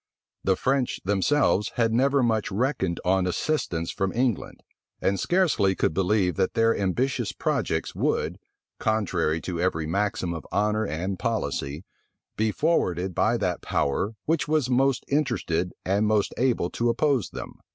The French themselves had never much reckoned on assistance from England; and scarcely could believe that their ambitious projects would, contrary to every maxim of honor and policy, be forwarded by that power which was most interested and most able to oppose them.